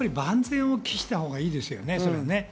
万全を期したほうがいいですよね。